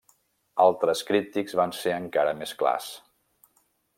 Altres crítics van ser encara més clars.